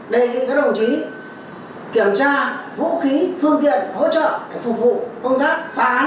đề nghị các đồng chí kiểm tra vũ khí phương tiện hỗ trợ để phục vụ công tác phá án